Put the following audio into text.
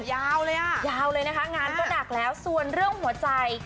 ยาวเลยอ่ะยาวเลยนะคะงานก็หนักแล้วส่วนเรื่องหัวใจ